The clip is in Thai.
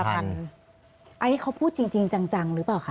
อันนี้เขาพูดจริงจังหรือเปล่าคะ